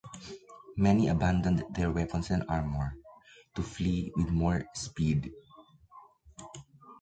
Many abandoned their weapons and armor to flee with more speed.